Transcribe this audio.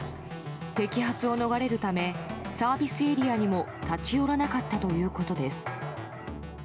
摘発を逃れるためサービスエリアにも立ち寄らなかったということです。